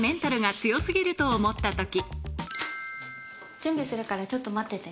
準備するからちょっと待ってて。